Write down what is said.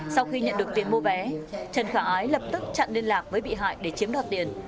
sau khi nhận được tiền mua vé trần khả ái lập tức chặn liên lạc với bị hại để chiếm đoạt tiền